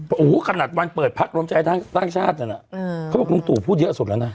โอ้โหขนาดวันเปิดพักรมใจท่านชาตินั้นลุงตู่พูดเยอะสุดแล้วนะ